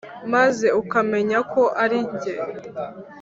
maze ukamenya ko ari jye.